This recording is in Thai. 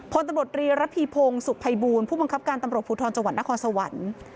พรรรพีพงศ์สุภัยบูรณ์ผู้บังคับการตำรวจภูทรจวันนครสวรรค์